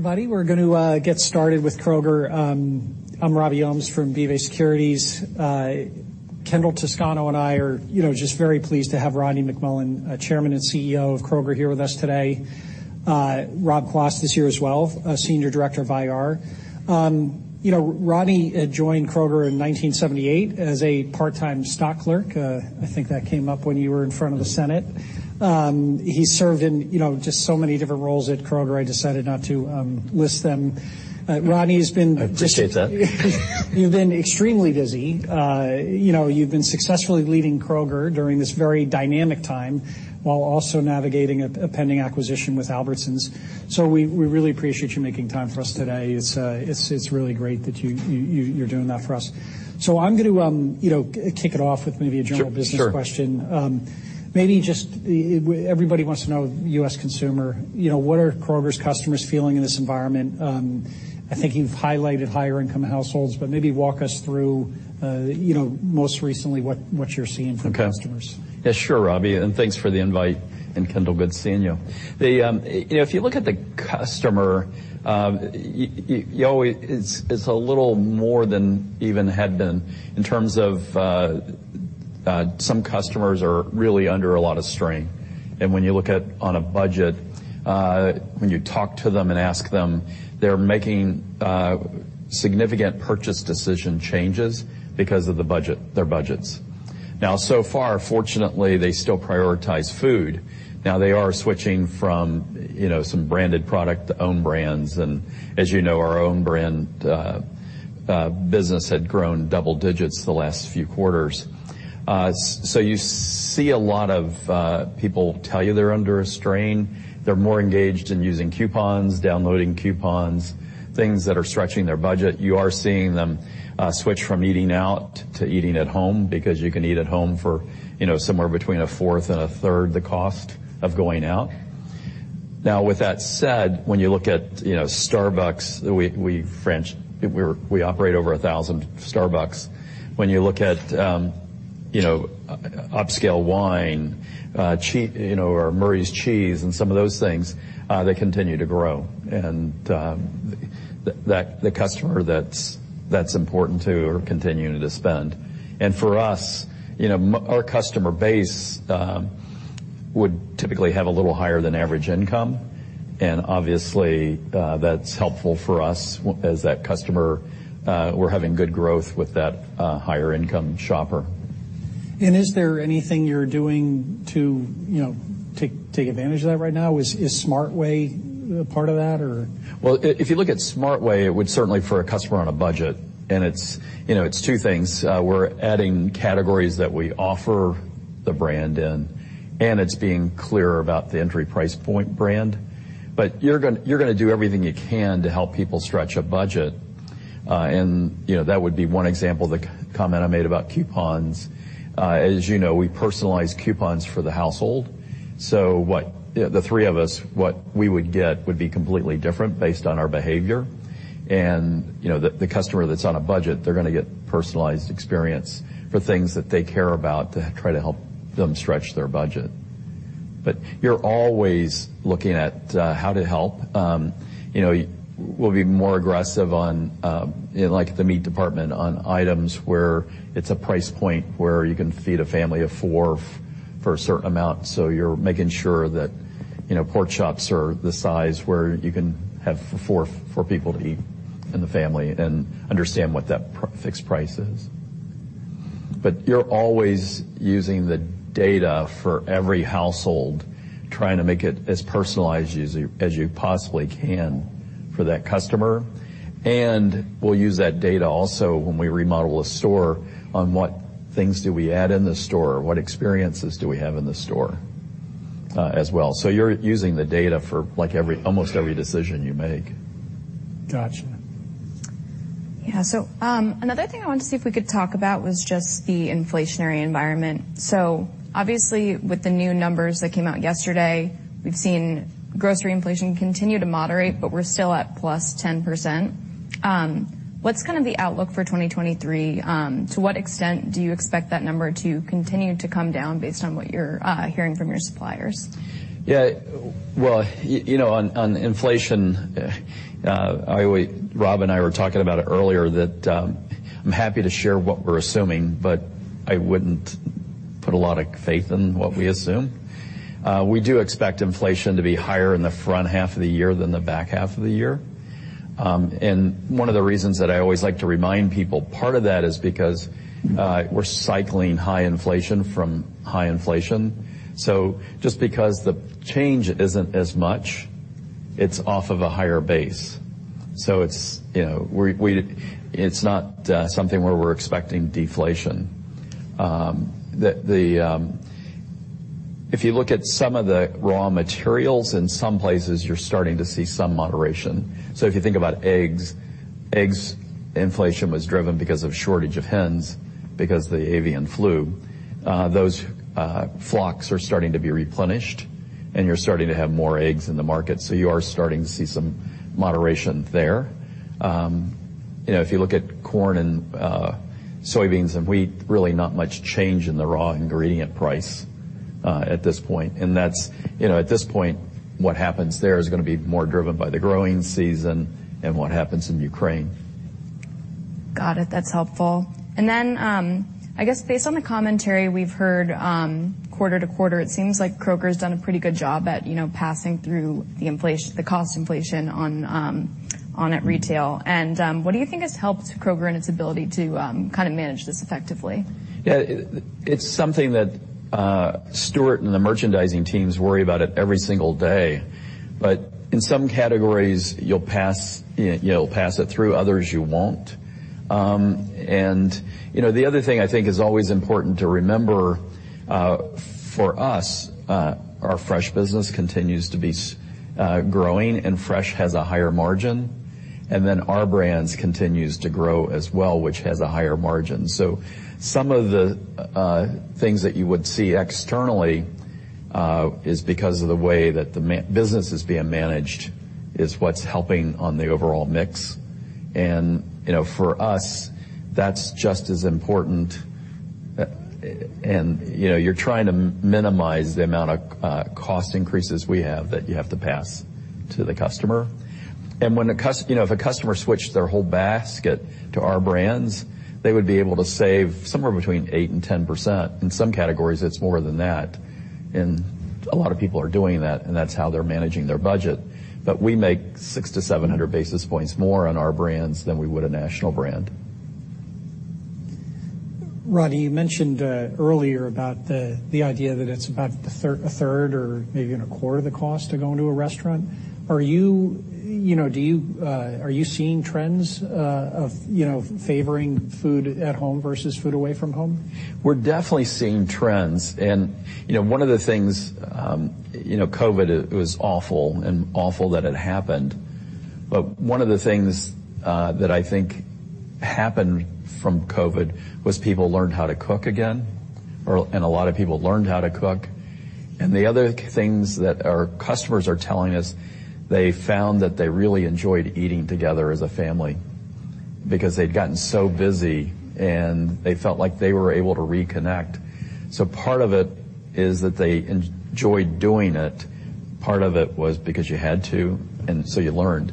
Everybody, we're gonna get started with Kroger. I'm Robert Ohmes from BofA Securities. Kendall Toscano and I are, you know, just very pleased to have Rodney McMullen, Chairman and CEO of Kroger, here with us today. Rob Quast is here as well, Senior Director of IR. You know, Rodney joined Kroger in 1978 as a part-time stock clerk. I think that came up when you were in front of the Senate. He served in, you know, just so many different roles at Kroger, I decided not to list them. Rodney's been I appreciate that. You've been extremely busy. You know, you've been successfully leading Kroger during this very dynamic time while also navigating a pending acquisition with Albertsons. We really appreciate you making time for us today. It's really great that you're doing that for us. I'm gonna, you know, kick it off with maybe a general business question. Sure. Maybe just, everybody wants to know U.S. consumer, you know, what are Kroger's customers feeling in this environment? I think you've highlighted higher income households, but maybe walk us through, you know, most recently, what you're seeing from customers. Okay. Yeah, sure, Robbie, and thanks for the invite. Kendall, good seeing you. You know, if you look at the customer, you always. It's a little more than even had been in terms of some customers are really under a lot of strain. When you look at on a budget, when you talk to them and ask them, they're making significant purchase decision changes because of the budget, their budgets. So far, fortunately, they still prioritize food. They are switching from, you know, some branded product to own brands. As you know, our own brand business had grown double digits the last few quarters. You see a lot of people tell you they're under a strain. They're more engaged in using coupons, downloading coupons, things that are stretching their budget. You are seeing them switch from eating out to eating at home because you can eat at home for, you know, somewhere between a fourth and a third the cost of going out. Now, with that said, when you look at, you know, Starbucks, we French, we operate over 1,000 Starbucks. When you look at, you know, upscale wine, you know, or Murray's Cheese and some of those things, they continue to grow. The customer that's important to are continuing to spend. For us, you know, our customer base would typically have a little higher than average income, and obviously, that's helpful for us as that customer. We're having good growth with that higher income shopper. Is there anything you're doing to, you know, take advantage of that right now? Is Smart Way part of that or? Well, if you look at Smart Way, it would certainly for a customer on a budget, and it's, you know, it's two things. We're adding categories that we offer the brand in, and it's being clearer about the entry price point brand. You're gonna do everything you can to help people stretch a budget. You know, that would be one example, the comment I made about coupons. As you know, we personalize coupons for the household. What, the three of us, what we would get would be completely different based on our behavior. You know, the customer that's on a budget, they're gonna get personalized experience for things that they care about to try to help them stretch their budget. You're always looking at how to help. You know, we'll be more aggressive on, like the meat department on items where it's a price point where you can feed a family of 4 for a certain amount. You're making sure that, you know, pork chops are the size where you can have 4 people to eat in the family and understand what that fixed price is. You're always using the data for every household, trying to make it as personalized as you possibly can for that customer. We'll use that data also when we remodel a store on what things do we add in the store, what experiences do we have in the store, as well. You're using the data for like every, almost every decision you make. Gotcha. Yeah. Another thing I wanted to see if we could talk about was just the inflationary environment. Obviously, with the new numbers that came out yesterday, we've seen grocery inflation continue to moderate, but we're still at +10%. What's kind of the outlook for 2023? To what extent do you expect that number to continue to come down based on what you're hearing from your suppliers? Well, you know, on inflation, Rob and I were talking about it earlier, that I'm happy to share what we're assuming, but I wouldn't put a lot of faith in what we assume. We do expect inflation to be higher in the front half of the year than the back half of the year. One of the reasons that I always like to remind people, part of that is because we're cycling high inflation from high inflation. Just because the change isn't as much, it's off of a higher base. It's, you know, we're not something where we're expecting deflation. If you look at some of the raw materials, in some places, you're starting to see some moderation. If you think about eggs inflation was driven because of shortage of hens, because the avian flu. Those flocks are starting to be replenished, and you're starting to have more eggs in the market. You are starting to see some moderation there. You know, if you look at corn and soybeans and wheat, really not much change in the raw ingredient price. At this point. That's, you know, at this point, what happens there is gonna be more driven by the growing season and what happens in Ukraine. Got it. That's helpful. I guess based on the commentary we've heard, quarter to quarter, it seems like Kroger's done a pretty good job at, you know, passing through the cost inflation on at retail. What do you think has helped Kroger in its ability to, kind of manage this effectively? Yeah. It, it's something that, Stuart and the merchandising teams worry about it every single day. In some categories, you'll pass, you know, you'll pass it through, others you won't. You know, the other thing I think is always important to remember, for us, our fresh business continues to be growing, and fresh has a higher margin. Our brands continues to grow as well, which has a higher margin. Some of the things that you would see externally, is because of the way that the business is being managed is what's helping on the overall mix. You know, for us, that's just as important. You know, you're trying to minimize the amount of cost increases we have that you have to pass to the customer. You know, if a customer switched their whole basket to our brands, they would be able to save somewhere between 8% and 10%. In some categories, it's more than that. A lot of people are doing that, and that's how they're managing their budget. We make 600 to 700 basis points more on our brands than we would a national brand. Rodney, you mentioned earlier about the idea that it's about a third or maybe even a quarter of the cost to go into a restaurant. Are you know, seeing trends of, you know, favoring food at home versus food away from home? We're definitely seeing trends. You know, one of the things, you know, COVID it was awful and awful that it happened. One of the things that I think happened from COVID was people learned how to cook again, and a lot of people learned how to cook. The other things that our customers are telling us, they found that they really enjoyed eating together as a family because they'd gotten so busy, and they felt like they were able to reconnect. Part of it is that they enjoyed doing it. Part of it was because you had to, and so you learned.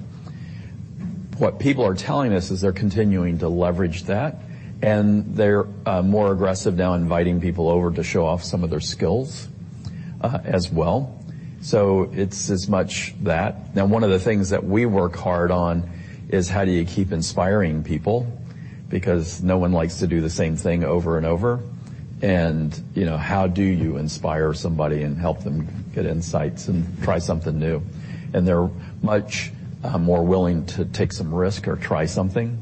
What people are telling us is they're continuing to leverage that, and they're more aggressive now inviting people over to show off some of their skills as well. It's as much that. One of the things that we work hard on is how do you keep inspiring people, because no one likes to do the same thing over and over. You know, how do you inspire somebody and help them get insights and try something new? They're much more willing to take some risk or try something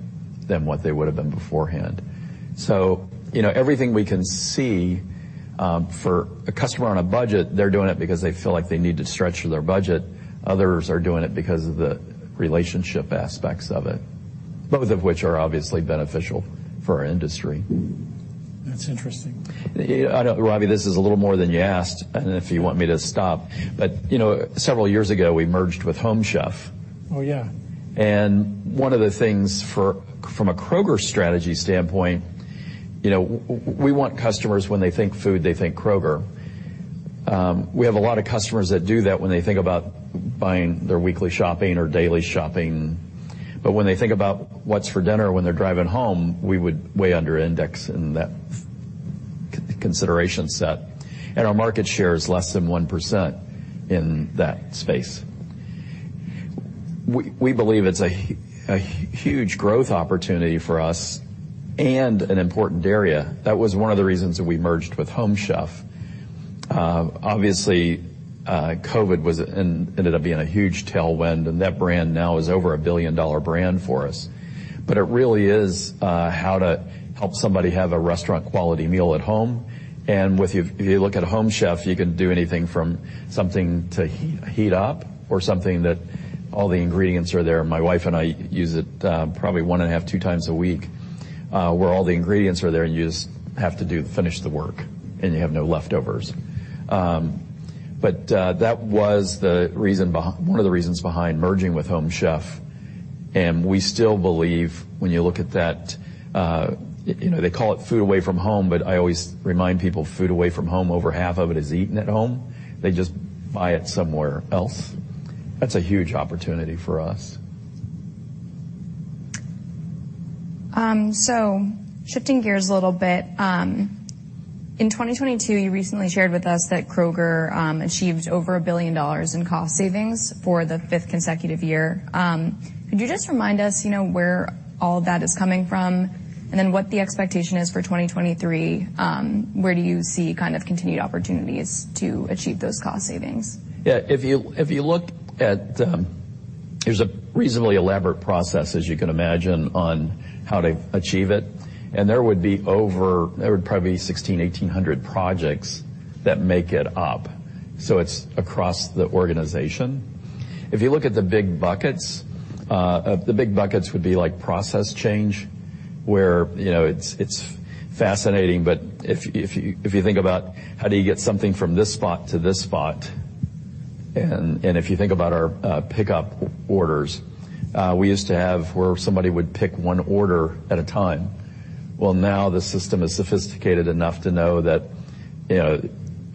than what they would've been beforehand. You know, everything we can see, for a customer on a budget, they're doing it because they feel like they need to stretch their budget. Others are doing it because of the relationship aspects of it, both of which are obviously beneficial for our industry. That's interesting. Robbie, this is a little more than you asked, and if you want me to stop. you know, several years ago, we merged with Home Chef. Oh, yeah. One of the things from a Kroger strategy standpoint, you know, we want customers, when they think food, they think Kroger. We have a lot of customers that do that when they think about buying their weekly shopping or daily shopping, but when they think about what's for dinner when they're driving home, we would way under index in that consideration set. Our market share is less than 1% in that space. We believe it's a huge growth opportunity for us and an important area. That was one of the reasons that we merged with Home Chef. Obviously, COVID was, and ended up being a huge tailwind, and that brand now is over a $1 billion-dollar brand for us. It really is, how to help somebody have a restaurant quality meal at home. If you look at Home Chef, you can do anything from something to heat up or something that all the ingredients are there. My wife and I use it, probably one and a half, two times a week, where all the ingredients are there, and you just have to finish the work, and you have no leftovers. That was one of the reasons behind merging with Home Chef. We still believe when you look at that, you know, they call it food away from home, but I always remind people, food away from home, over half of it is eaten at home. They just buy it somewhere else. That's a huge opportunity for us. Shifting gears a little bit, in 2022, you recently shared with us that Kroger achieved over $1 billion in cost savings for the fifth consecutive year. Could you just remind us, you know, where all of that is coming from and then what the expectation is for 2023? Where do you see kind of continued opportunities to achieve those cost savings? Yeah. If you look at, there's a reasonably elaborate process, as you can imagine, on how to achieve it. There would probably be 1,600, 1,800 projects that make it up. It's across the organization. If you look at the big buckets, the big buckets would be like process change, where, you know, it's fascinating, but if you think about how do you get something from this spot to this spot. If you think about our pickup orders, we used to have where somebody would pick one order at a time. Now the system is sophisticated enough to know that, you know,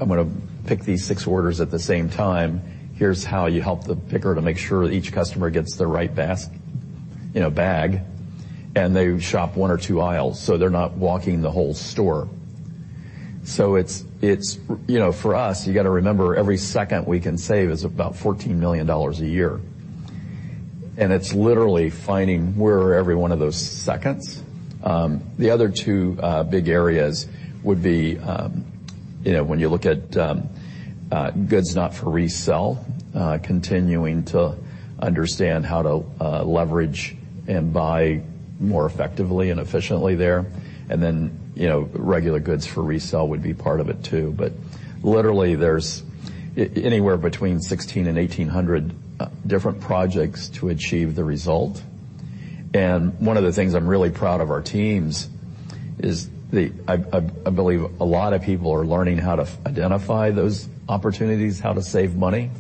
I'm gonna pick these six orders at the same time. Here's how you help the picker to make sure each customer gets the right you know, bag, and they shop one or two aisles, so they're not walking the whole store. It's, it's, you know, for us, you gotta remember every second we can save is about $14 million a year. It's literally finding where every one of those seconds. The other two big areas would be, you know, when you look at goods not for resell, continuing to understand how to leverage and buy more effectively and efficiently there. Then, you know, regular goods for resell would be part of it too. Literally, there's anywhere between 1,600 and 1,800 different projects to achieve the result. One of the things I'm really proud of our teams is I believe a lot of people are learning how to identify those opportunities, how to save money,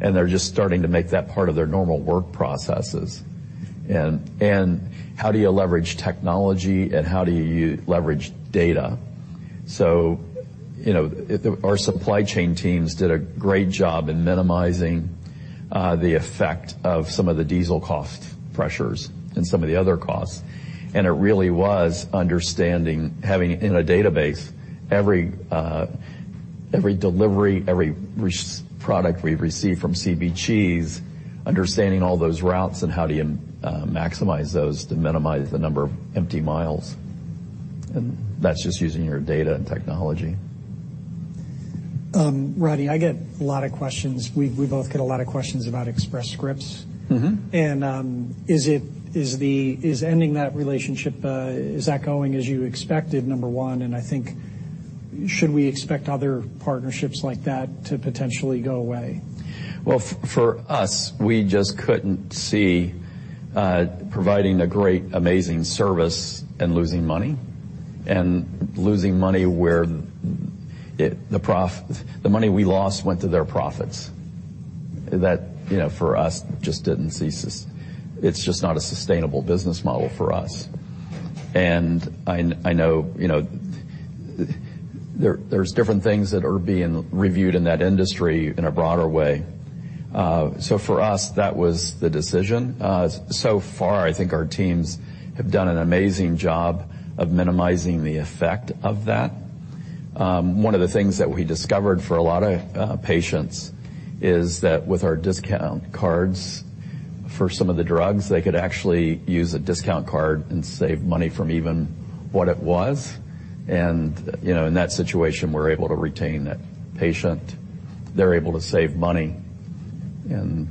and they're just starting to make that part of their normal work processes. How do you leverage technology and how do you leverage data? You know, our supply chain teams did a great job in minimizing the effect of some of the diesel cost pressures and some of the other costs. It really was understanding having in a database every every delivery, every product we receive from CB Cheese, understanding all those routes and how do you maximize those to minimize the number of empty miles. That's just using your data and technology. Rodney, I get a lot of questions. We both get a lot of questions about Express Scripts. Mm-hmm. Is ending that relationship, is that going as you expected, number one? I think should we expect other partnerships like that to potentially go away? Well, for us, we just couldn't see providing a great, amazing service and losing money, and losing money where the money we lost went to their profits. You know, for us just didn't seem it's just not a sustainable business model for us. I know, you know, there's different things that are being reviewed in that industry in a broader way. For us, that was the decision. Far, I think our teams have done an amazing job of minimizing the effect of that. One of the things that we discovered for a lot of patients is that with our discount cards for some of the drugs, they could actually use a discount card and save money from even what it was. You know, in that situation, we're able to retain that patient. They're able to save money. You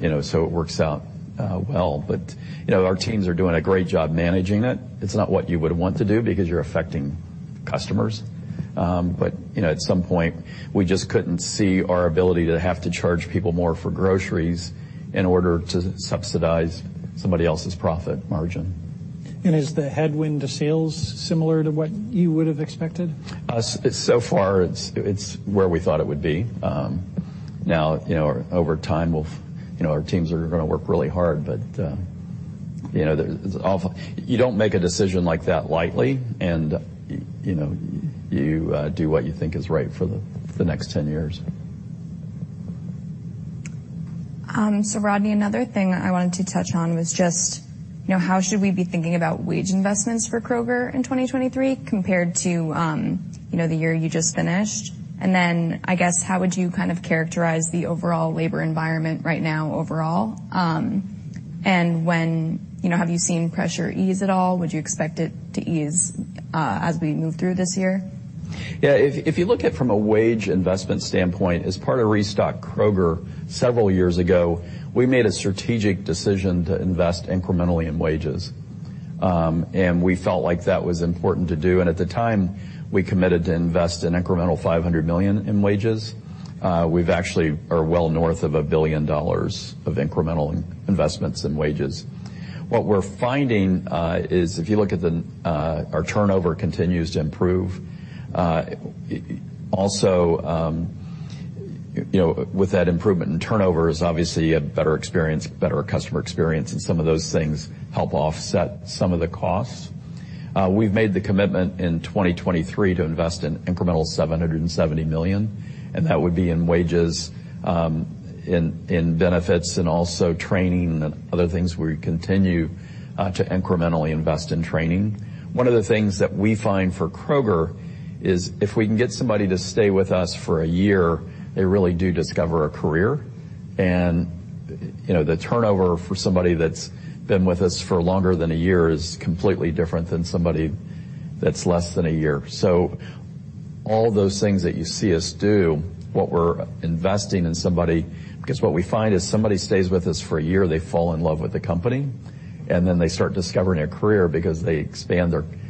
know, so it works out well. You know, our teams are doing a great job managing it. It's not what you would want to do because you're affecting customers. You know, at some point, we just couldn't see our ability to have to charge people more for groceries in order to subsidize somebody else's profit margin. Is the headwind to sales similar to what you would have expected? So far it's where we thought it would be. Now, you know, over time, we'll, you know, our teams are gonna work really hard, but, you know, it's often. You don't make a decision like that lightly, and, you know, you do what you think is right for the next 10 years. Rodney, another thing I wanted to touch on was just, you know, how should we be thinking about wage investments for Kroger in 2023 compared to, you know, the year you just finished? I guess, how would you kind of characterize the overall labor environment right now overall? You know, have you seen pressure ease at all? Would you expect it to ease as we move through this year? Yeah. If you look at from a wage investment standpoint, as part of Restock Kroger several years ago, we made a strategic decision to invest incrementally in wages. We felt like that was important to do. At the time, we committed to invest an incremental $500 million in wages. We've actually are well north of $1 billion of incremental investments in wages. What we're finding, is if you look at the, our turnover continues to improve. You know, with that improvement in turnover is obviously a better experience, better customer experience, and some of those things help offset some of the costs. We've made the commitment in 2023 to invest in incremental $770 million, and that would be in wages, in benefits and also training and other things we continue to incrementally invest in training. One of the things that we find for Kroger is if we can get somebody to stay with us for a year, they really do discover a career. You know, the turnover for somebody that's been with us for longer than a year is completely different than somebody that's less than a year. All those things that you see us do, what we're investing in somebody, because what we find is somebody stays with us for 1 year, they fall in love with the company, then they start discovering a career because they expand their skills,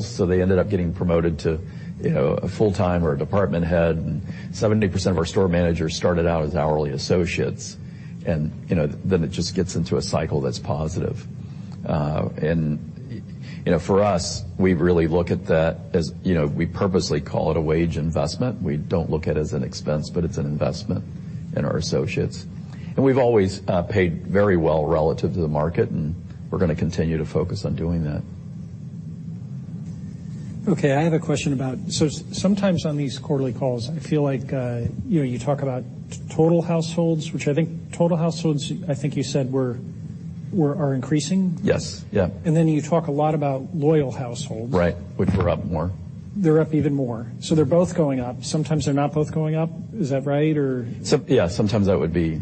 so they ended up getting promoted to, you know, a full-time or a department head. 70% of our store managers started out as hourly associates. You know, then it just gets into a cycle that's positive. You know, for us, we really look at that as, you know, we purposely call it a wage investment. We don't look at it as an expense, but it's an investment in our associates. We've always paid very well relative to the market, and we're gonna continue to focus on doing that. Okay. I have a question about... Sometimes on these quarterly calls, I feel like, you know, you talk about total households, which I think total households, I think you said are increasing. Yes. Yeah. You talk a lot about loyal households. Right. Which are up more. They're up even more. They're both going up. Sometimes they're not both going up. Is that right or? Yeah, sometimes that would be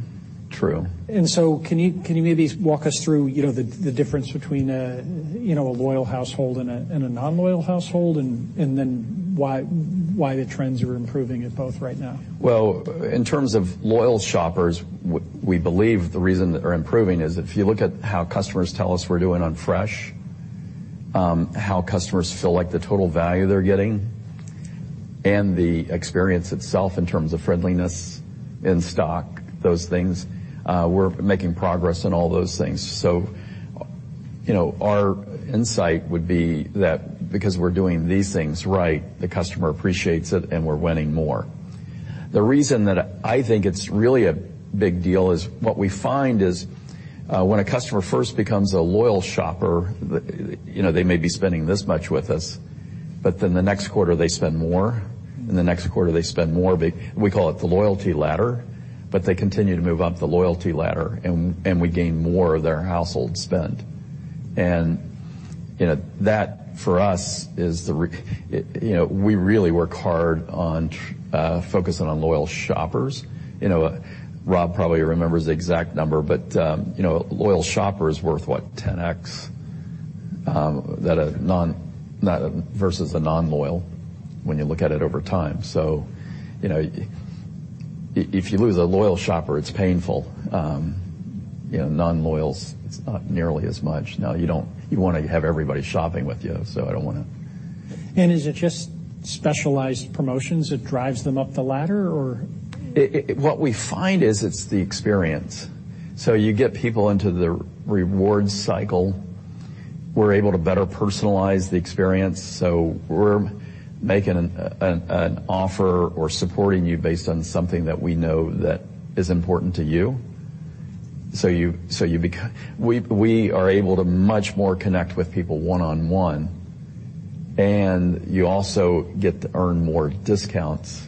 true. Can you maybe walk us through, you know, the difference between a, you know, a loyal household and a non-loyal household, and then why the trends are improving at both right now? In terms of loyal shoppers, we believe the reason they are improving is if you look at how customers tell us we're doing on fresh, how customers feel like the total value they're getting and the experience itself in terms of friendliness, in-stock, those things, we're making progress on all those things. You know, our insight would be that because we're doing these things right, the customer appreciates it, and we're winning more. The reason that I think it's really a big deal is what we find is when a customer first becomes a loyal shopper, you know, they may be spending this much with us, but then the next quarter they spend more, and the next quarter they spend more. We call it the loyalty ladder. They continue to move up the loyalty ladder, and we gain more of their household spend. You know, that, for us, is, you know, we really work hard on focusing on loyal shoppers. You know, Rob probably remembers the exact number, but, you know, a loyal shopper is worth what? 10x that versus a non-loyal when you look at it over time. You know, if you lose a loyal shopper, it's painful. You know, non-loyals, it's not nearly as much. You wanna have everybody shopping with you, so I don't wanna... Is it just specialized promotions that drives them up the ladder or? What we find is it's the experience. You get people into the reward cycle. We're able to better personalize the experience, so we're making an offer or supporting you based on something that we know that is important to you. We are able to much more connect with people one-on-one. You also get to earn more discounts.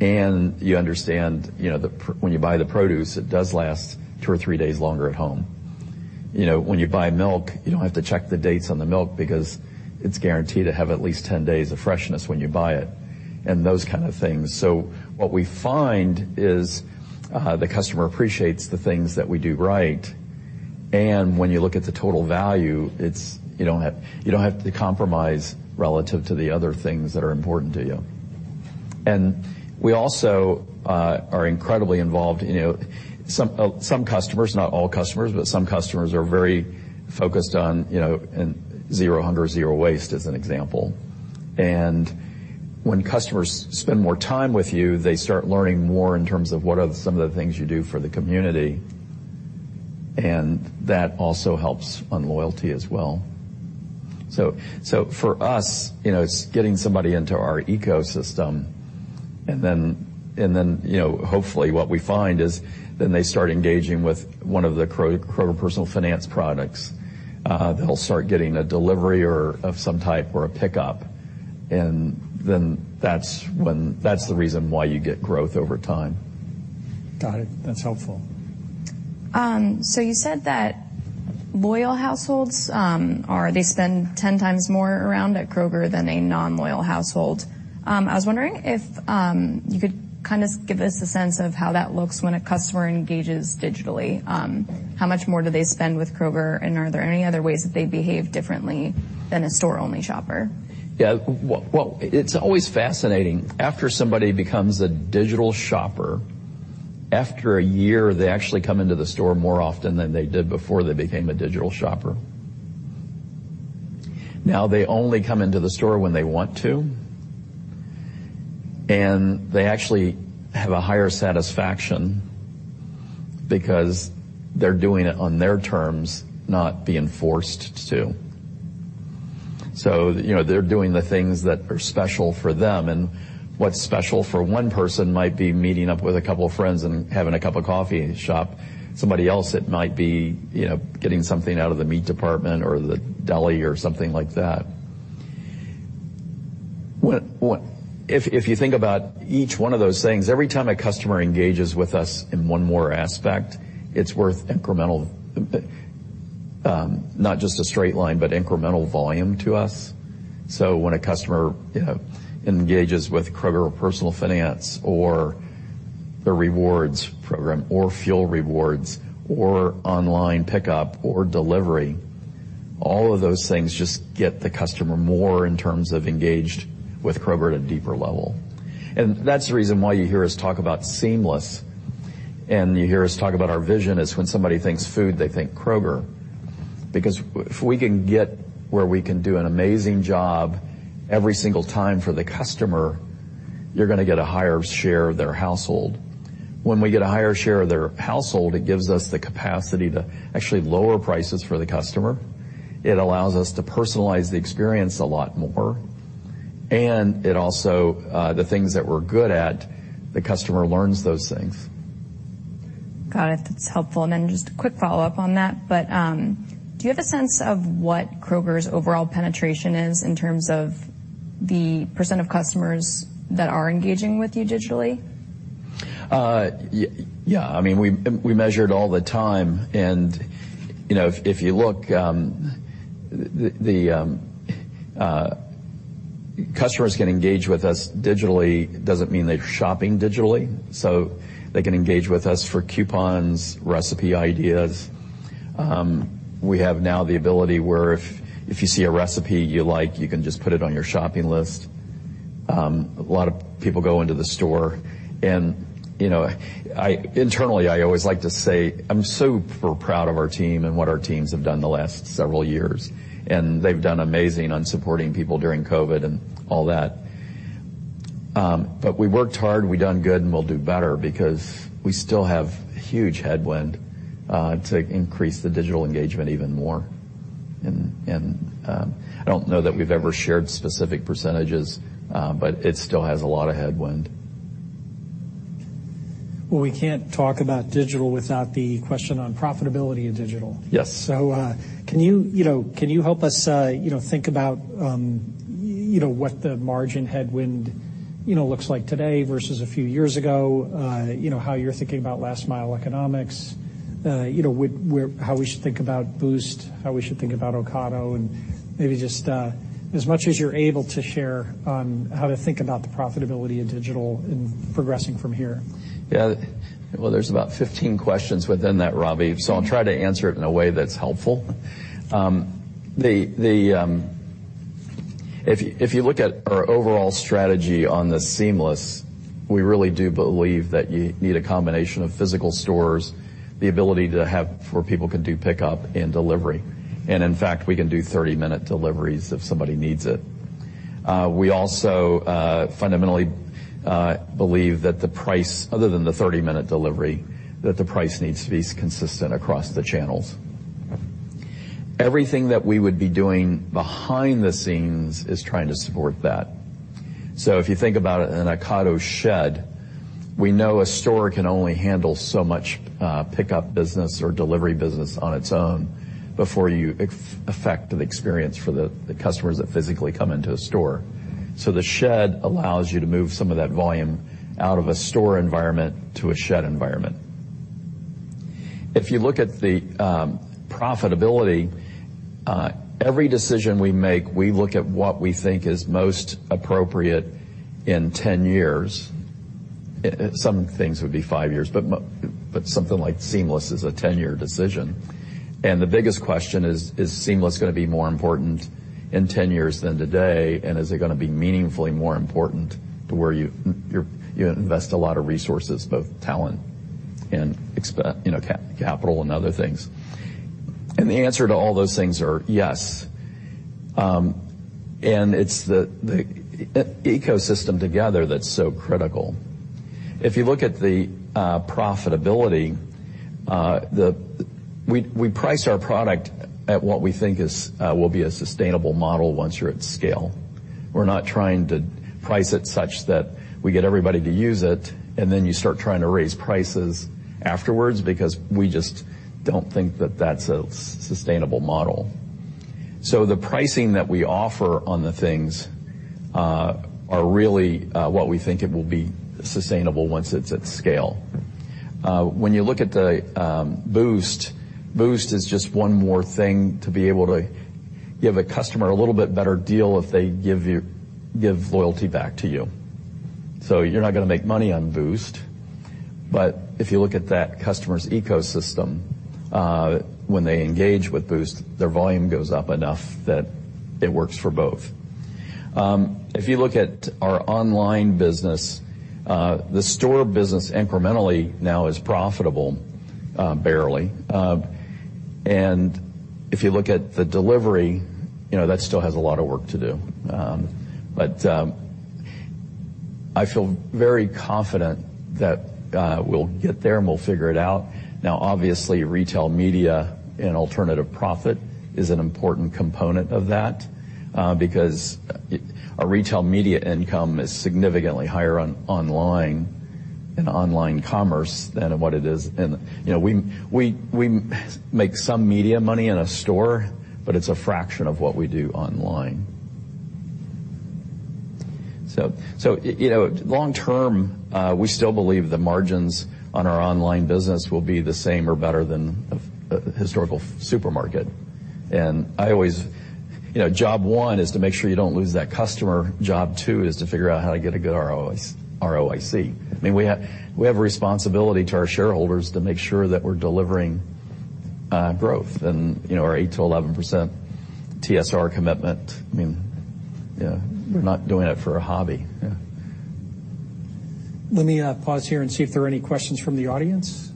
You understand, you know, when you buy the produce, it does last two or three days longer at home. You know, when you buy milk, you don't have to check the dates on the milk because it's guaranteed to have at least 10 days of freshness when you buy it, and those kind of things. What we find is the customer appreciates the things that we do right. When you look at the total value, it's... You don't have, you don't have to compromise relative to the other things that are important to you. We also are incredibly involved. You know, some customers, not all customers, but some customers are very focused on, you know, in Zero Hunger | Zero Waste, as an example. When customers spend more time with you, they start learning more in terms of what are some of the things you do for the community, and that also helps on loyalty as well. For us, you know, it's getting somebody into our ecosystem. You know, hopefully, what we find is then they start engaging with one of the Kroger Personal Finance products. They'll start getting a delivery of some type or a pickup, and then that's when. That's the reason why you get growth over time. Got it. That's helpful. You said that loyal households. They spend 10 times more around at Kroger than a non-loyal household. I was wondering if you could kinda give us a sense of how that looks when a customer engages digitally. How much more do they spend with Kroger, and are there any other ways that they behave differently than a store-only shopper? Yeah. Well, it's always fascinating. After somebody becomes a digital shopper, after a year, they actually come into the store more often than they did before they became a digital shopper. They only come into the store when they want to, and they actually have a higher satisfaction because they're doing it on their terms, not being forced to. You know, they're doing the things that are special for them. What's special for one person might be meeting up with a couple of friends and having a cup of coffee in the shop. Somebody else, it might be, you know, getting something out of the meat department or the deli or something like that. What. If you think about each one of those things, every time a customer engages with us in one more aspect, it's worth incremental, not just a straight line, but incremental volume to us. When a customer, you know, engages with Kroger Personal Finance or the rewards program or fuel rewards or online pickup or delivery, all of those things just get the customer more in terms of engaged with Kroger at a deeper level. That's the reason why you hear us talk about Seamless and you hear us talk about our vision is when somebody thinks food, they think Kroger. If we can get where we can do an amazing job every single time for the customer, you're gonna get a higher share of their household. When we get a higher share of their household, it gives us the capacity to actually lower prices for the customer. It allows us to personalize the experience a lot more, it also, the things that we're good at, the customer learns those things. Got it. That's helpful. Then just a quick follow-up on that, but do you have a sense of what Kroger's overall penetration is in terms of the percent of customers that are engaging with you digitally? Yeah. I mean, we measure it all the time. You know, if you look, the customers can engage with us digitally doesn't mean they're shopping digitally. They can engage with us for coupons, recipe ideas. We have now the ability where if you see a recipe you like, you can just put it on your shopping list. A lot of people go into the store. You know, internally, I always like to say I'm super proud of our team and what our teams have done the last several years, and they've done amazing on supporting people during COVID and all that. We worked hard, we've done good, and we'll do better because we still have huge headwind to increase the digital engagement even more. I don't know that we've ever shared specific percentages, but it still has a lot of headwind. Well, we can't talk about digital without the question on profitability of digital. Yes. Can you know, can you help us, you know, think about, you know, what the margin headwind, you know, looks like today versus a few years ago? You know, how you're thinking about last mile economics. You know, how we should think about Boost, how we should think about Ocado, and maybe just, as much as you're able to share on how to think about the profitability of digital in progressing from here. Yeah. Well, there's about 15 questions within that, Robbie, so I'll try to answer it in a way that's helpful. The, If you look at our overall strategy on the Seamless, we really do believe that you need a combination of physical stores, the ability to have where people can do pickup and delivery. In fact, we can do 30-minute deliveries if somebody needs it. We also fundamentally believe that the price, other than the 30-minute delivery, that the price needs to be consistent across the channels. Everything that we would be doing behind the scenes is trying to support that. If you think about it in an Ocado shed, we know a store can only handle so much pickup business or delivery business on its own before you affect an experience for the customers that physically come into a store. The shed allows you to move some of that volume out of a store environment to a shed environment. If you look at the profitability, every decision we make, we look at what we think is most appropriate in 10 years. Some things would be 5 years, but something like Seamless is a 10-year decision. The biggest question is Seamless gonna be more important in 10 years than today, and is it gonna be meaningfully more important to where you, you invest a lot of resources, both talent and you know, capital and other things? The answer to all those things are yes. It's the e-ecosystem together that's so critical. If you look at the profitability, We price our product at what we think is will be a sustainable model once you're at scale. We're not trying to price it such that we get everybody to use it, and then you start trying to raise prices afterwards because we just don't think that that's a sustainable model. The pricing that we offer on the things are really what we think it will be sustainable once it's at scale. When you look at the Boost is just one more thing to be able to give a customer a little bit better deal if they give loyalty back to you. You're not gonna make money on Boost, but if you look at that customer's ecosystem, when they engage with Boost, their volume goes up enough that it works for both. If you look at our online business, the store business incrementally now is profitable, barely. If you look at the delivery, you know, that still has a lot of work to do. But I feel very confident that we'll get there, and we'll figure it out. Obviously, retail media and alternative profit is an important component of that, because a retail media income is significantly higher on online, in online commerce than what it is in... You know, we make some media money in a store, but it's a fraction of what we do online. You know, long term, we still believe the margins on our online business will be the same or better than a historical supermarket. I always. You know, job one is to make sure you don't lose that customer. Job two is to figure out how to get a good ROIC. I mean, we have a responsibility to our shareholders to make sure that we're delivering, growth and, you know, our 8%-11% TSR commitment. I mean, yeah, we're not doing it for a hobby. Yeah. Let me pause here and see if there are any questions from the audience.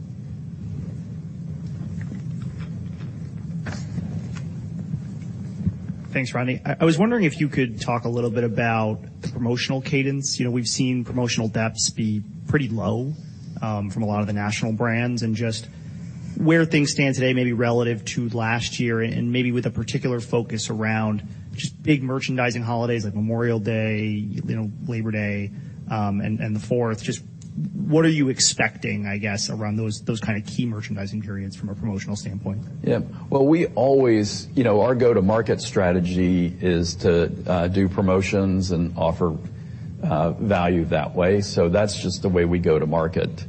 Thanks, Rodney. I was wondering if you could talk a little bit about the promotional cadence. You know, we've seen promotional depths be pretty low from a lot of the national brands, and just where things stand today, maybe relative to last year and maybe with a particular focus around just big merchandising holidays like Memorial Day, you know, Labor Day, and the Fourth. Just what are you expecting, I guess, around those kind of key merchandising periods from a promotional standpoint? Yeah. Well, we always. You know, our go-to-market strategy is to do promotions and offer value that way. That's just the way we go to market.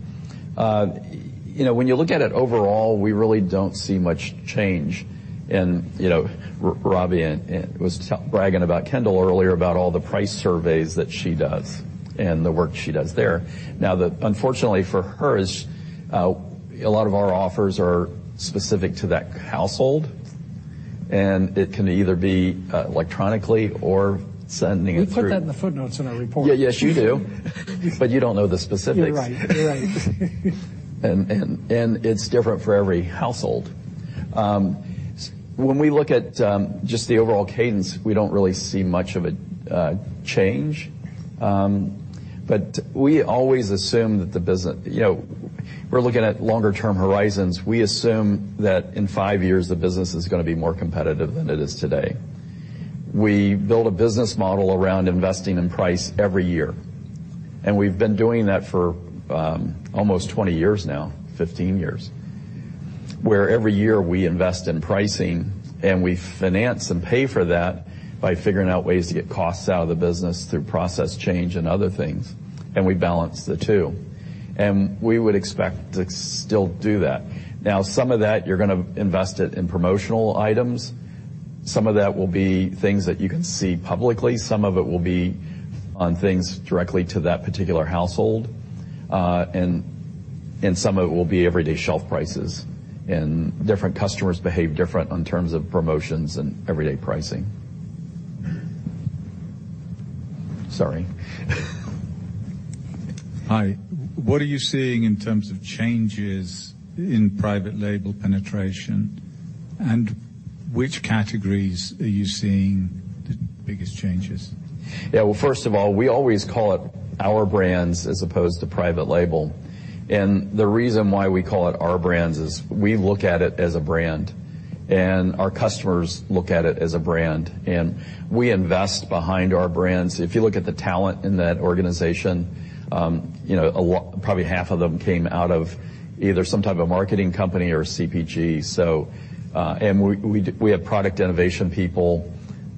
You know, when you look at it overall, we really don't see much change. You know, Robbie was bragging about Kendall earlier about all the price surveys that she does and the work she does there. Unfortunately for hers, a lot of our offers are specific to that household, and it can either be electronically or sending it through- We put that in the footnotes in our report. Yes, you do. You don't know the specifics. You're right. You're right. It's different for every household. When we look at just the overall cadence, we don't really see much of a change. We always assume that You know, we're looking at longer term horizons. We assume that in five years the business is gonna be more competitive than it is today. We build a business model around investing in price every year, we've been doing that for almost 20 years now, 15 years, where every year we invest in pricing and we finance and pay for that by figuring out ways to get costs out of the business through process change and other things, and we balance the two. We would expect to still do that. Now some of that you're gonna invest it in promotional items. Some of that will be things that you can see publicly. Some of it will be on things directly to that particular household. and some of it will be everyday shelf prices. Different customers behave different on terms of promotions and everyday pricing. Sorry. Hi. What are you seeing in terms of changes in private label penetration, and which categories are you seeing the biggest changes? Well, first of all, we always call it our brands as opposed to private label. The reason why we call it our brands is we look at it as a brand, and our customers look at it as a brand, and we invest behind our brands. If you look at the talent in that organization, you know, probably half of them came out of either some type of marketing company or CPG. We have product innovation people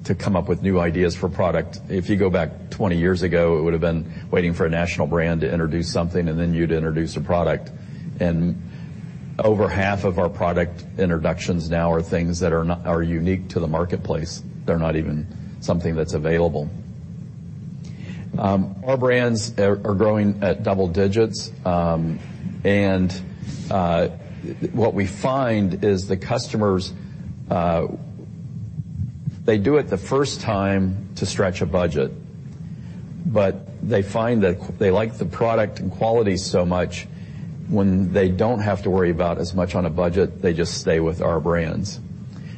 to come up with new ideas for product. If you go back 20 years ago, it would've been waiting for a national brand to introduce something and then you'd introduce a product. Over half of our product introductions now are things that are unique to the marketplace. They're not even something that's available. Our brands are growing at double digits. What we find is the customers, they do it the first time to stretch a budget, but they find that they like the product and quality so much when they don't have to worry about as much on a budget, they just stay with our brands.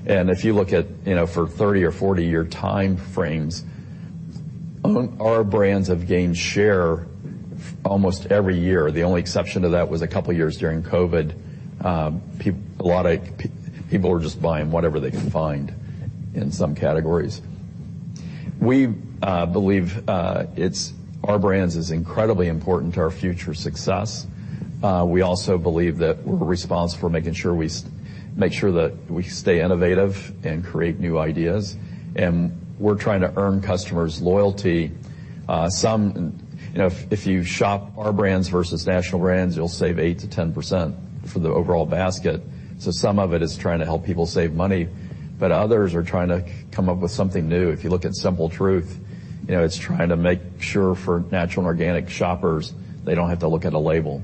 If you look at, you know, for 30 or 40-year time frames, our brands have gained share almost every year. The only exception to that was a couple years during COVID. A lot of people were just buying whatever they could find in some categories. We believe, it's our brands is incredibly important to our future success. We also believe that we're responsible for making sure that we stay innovative and create new ideas, and we're trying to earn customers' loyalty. Some, you know, if you shop our brands versus national brands, you'll save 8% to 10% for the overall basket. Some of it is trying to help people save money, but others are trying to come up with something new. If you look at Simple Truth, you know, it's trying to make sure for natural and organic shoppers, they don't have to look at a label.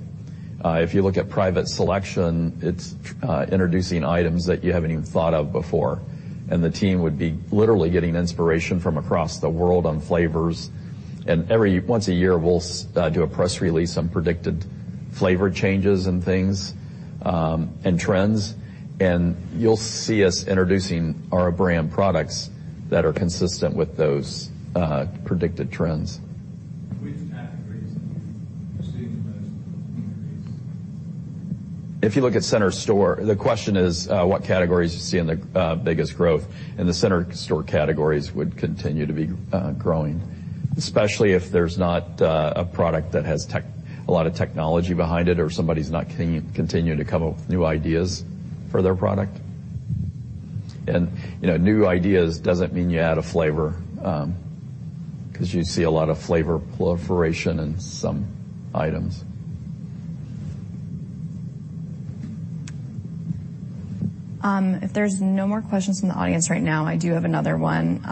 If you look at Private Selection, it's introducing items that you haven't even thought of before. The team would be literally getting inspiration from across the world on flavors. Every once a year, we'll do a press release on predicted flavor changes and things, and trends. You'll see us introducing our brand products that are consistent with those predicted trends. Which categories are you seeing the most increase? If you look at center store. The question is, what categories you see in the biggest growth, the center store categories would continue to be growing, especially if there's not a product that has a lot of technology behind it or somebody's not continuing to come up with new ideas for their product. You know, new ideas doesn't mean you add a flavor, 'cause you see a lot of flavor proliferation in some items. If there's no more questions from the audience right now, I do have another one.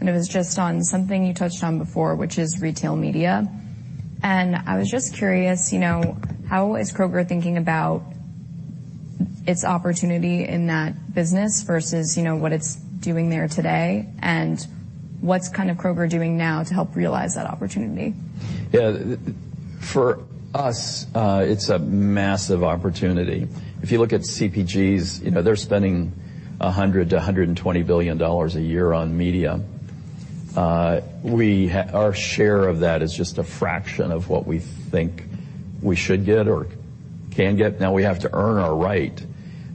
It was just on something you touched on before, which is retail media. I was just curious, you know, how is Kroger thinking about its opportunity in that business versus, you know, what it's doing there today? What's kind of Kroger doing now to help realize that opportunity? Yeah. For us, it's a massive opportunity. If you look at CPGs, you know, they're spending $100 billion-$120 billion a year on media. Our share of that is just a fraction of what we think we should get or can get. Now, we have to earn our right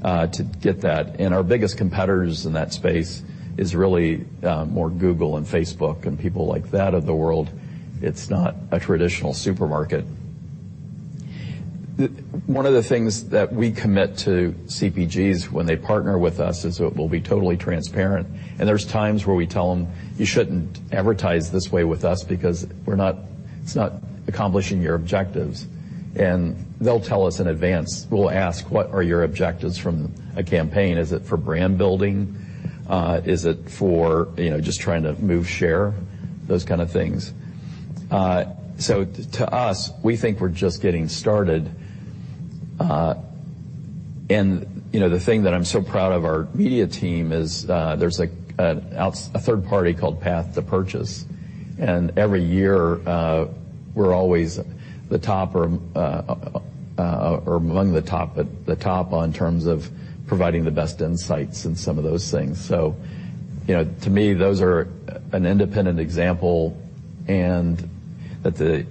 to get that. Our biggest competitors in that space is really more Google and Facebook and people like that of the world. It's not a traditional supermarket. One of the things that we commit to CPGs when they partner with us is that we'll be totally transparent. There's times where we tell them, "You shouldn't advertise this way with us because we're not accomplishing your objectives." They'll tell us in advance. We'll ask, "What are your objectives from a campaign? Is it for brand building? Is it for, you know, just trying to move share?" Those kind of things. So to us, we think we're just getting started. You know, the thing that I'm so proud of our media team is, there's a third party called Path to Purchase. Every year, we're always the top or among the top, but the top on terms of providing the best insights and some of those things. You know, to me, those are an independent example and that the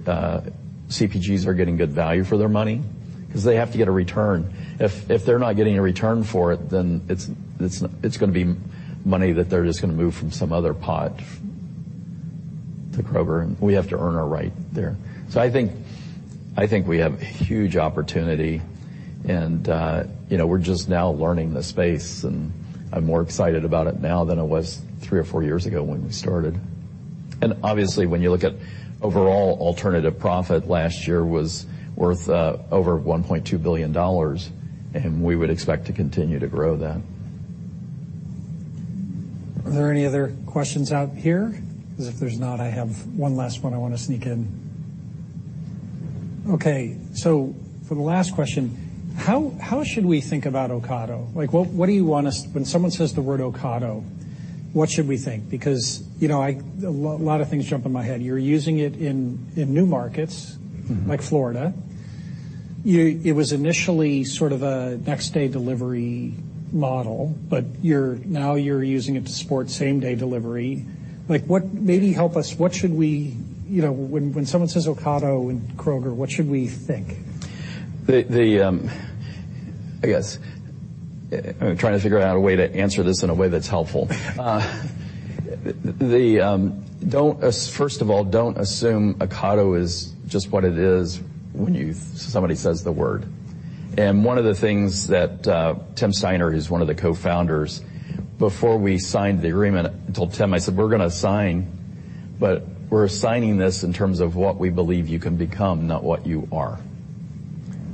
CPGs are getting good value for their money because they have to get a return. If they're not getting a return for it, then it's gonna be money that they're just gonna move from some other pot to Kroger, and we have to earn our right there. I think we have huge opportunity and, you know, we're just now learning the space, and I'm more excited about it now than I was three or four years ago when we started. Obviously, when you look at overall alternative profit last year was worth over $1.2 billion, and we would expect to continue to grow that. Are there any other questions out here? If there's not, I have one last one I wanna sneak in. Okay. For the last question, how should we think about Ocado? Like, what? When someone says the word Ocado, what should we think? You know, a lot of things jump in my head. You're using it in new markets. Mm-hmm. like Florida. It was initially sort of a next-day delivery model, but now you're using it to support same-day delivery. Like, what? Maybe help us. What should we, you know, when someone says Ocado and Kroger, what should we think? I guess, I'm trying to figure out a way to answer this in a way that's helpful. The, first of all, don't assume Ocado is just what it is when somebody says the word. One of the things that Tim Steiner, who's one of the cofounders, before we signed the agreement, I told Tim, I said, "We're gonna sign, but we're signing this in terms of what we believe you can become, not what you are.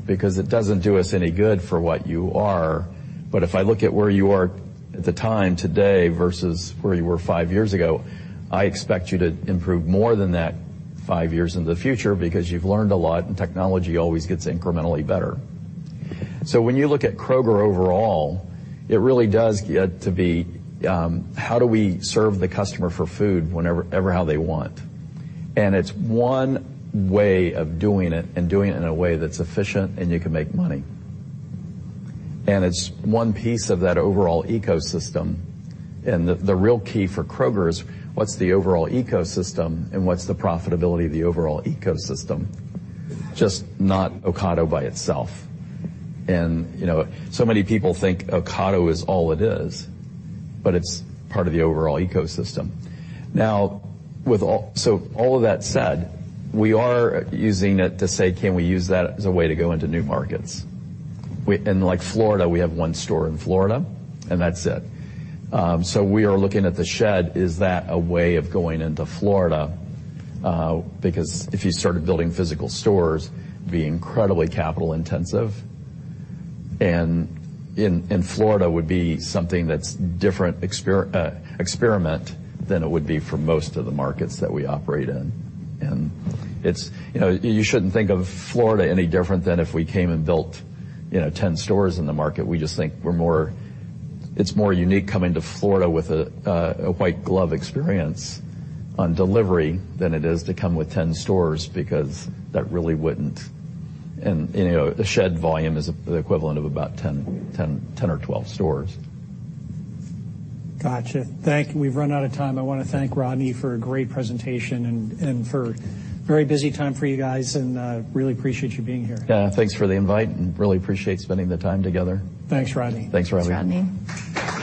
It doesn't do us any good for what you are, but if I look at where you are at the time today versus where you were five years ago, I expect you to improve more than that five years in the future because you've learned a lot and technology always gets incrementally better. When you look at Kroger overall, it really does to be how do we serve the customer for food whenever, however they want? It's one way of doing it and doing it in a way that's efficient and you can make money. It's one piece of that overall ecosystem. The real key for Kroger is what's the overall ecosystem and what's the profitability of the overall ecosystem? Just not Ocado by itself. You know, so many people think Ocado is all it is, but it's part of the overall ecosystem. All of that said, we are using it to say, "Can we use that as a way to go into new markets?" Like Florida, we have one store in Florida, and that's it. We are looking at the Shed. Is that a way of going into Florida? Because if you started building physical stores, it'd be incredibly capital intensive. In Florida would be something that's different experiment than it would be for most of the markets that we operate in. You know, you shouldn't think of Florida any different than if we came and built, you know, 10 stores in the market. We just think we're more. It's more unique coming to Florida with a white glove experience on delivery than it is to come with 10 stores because that really wouldn't. You know, the Shed volume is the equivalent of about 10 or 12 stores. Gotcha. Thank you. We've run out of time. I wanna thank Rodney for a great presentation and for very busy time for you guys and really appreciate you being here. Yeah. Thanks for the invite and really appreciate spending the time together. Thanks, Rodney. Thanks, Rodney. Thanks, Rodney.